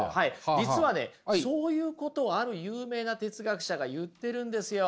実はねそういうことをある有名な哲学者が言ってるんですよ。